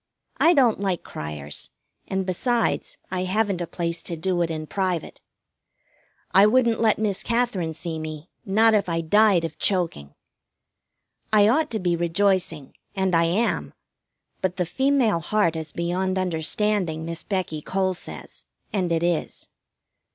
I don't like cryers, and, besides, I haven't a place to do it in private. I wouldn't let Miss Katherine see me, not if I died of choking. I ought to be rejoicing, and I am; but the female heart is beyond understanding, Miss Becky Cole says, and it is.